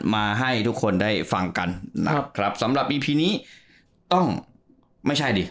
มาให้ทุกคนได้ฟังกันนะครับครับสำหรับอีพีนี้ต้องไม่ใช่ดิ